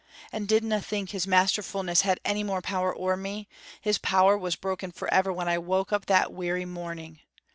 And dinna think his masterfulness had any more power ower me; his power was broken forever when I woke up that weary morning.